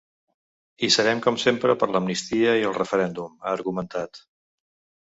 “Hi serem com sempre per l’amnistia i el referèndum”, ha argumentat.